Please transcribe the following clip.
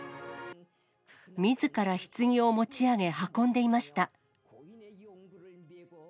みずからひつぎを持ち上げ、運んでいました。